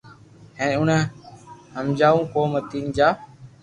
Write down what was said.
ھين اوني ھمجاو ڪو متي جا